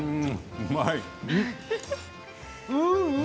うまい。